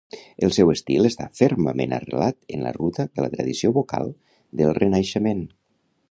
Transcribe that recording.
El seu estil està fermament arrelat en la ruta de la tradició vocal del Renaixement.